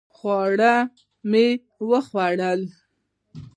خواړه مې وخوړل